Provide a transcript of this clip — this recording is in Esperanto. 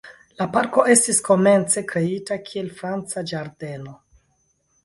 La parko estis komence kreita kiel franca ĝardeno.